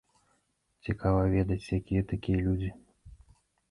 Цікава ведаць, якія такія людзі.